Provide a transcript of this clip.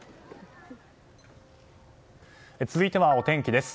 続いては、お天気です。